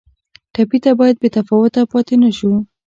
ټپي ته باید بې تفاوته پاتې نه شو.